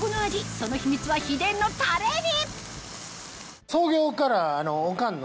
その秘密は秘伝のタレに！